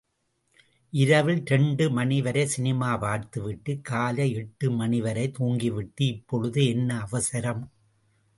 இரவில் இரண்டு மணி வரை சினிமா பார்த்துவிட்டு, காலை எட்டு மணிவரை தூங்கிவிட்டு, இப்பொழுது என்ன அவசரம்?